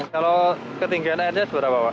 kalau ketinggian airnya seberapa pak